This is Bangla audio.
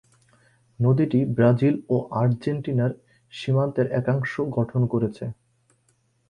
নদীটি ব্রাজিল ও আর্জেন্টিনার সীমান্তের একাংশ গঠন করেছে।